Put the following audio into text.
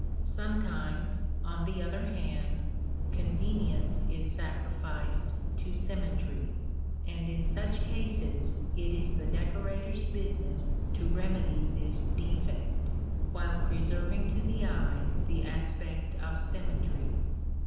Sometimes, on the other hand, convenience is sacrificed to symmetry; and in such cases it is the decorator's business to remedy this defect, while preserving to the eye the aspect of symmetry.